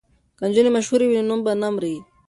که نجونې مشهورې وي نو نوم به نه مري.